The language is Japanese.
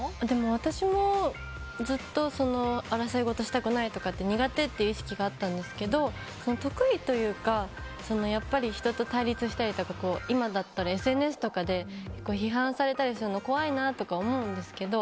私もずっと争いごとをしたくないとか苦手っていう意識があったんですけど、得意というか人と対立したりとか今だったらＳＮＳとかで批判されたりするの怖いなって思うんですけど